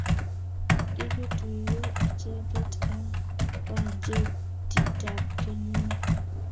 kikituyio icheket eng' bajetitab kenyino